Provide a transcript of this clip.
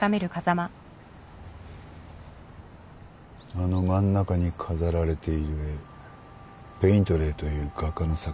あの真ん中に飾られている絵ペイントレーという画家の作品だ。